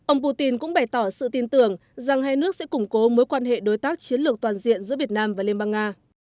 ông putin cũng bày tỏ sự tin tưởng rằng hai nước sẽ củng cố mối quan hệ đối tác chiến lược toàn diện giữa việt nam và liên bang nga